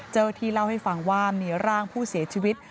ที่เล่าให้ฟังว่ามีร่างผู้เสียชีวิต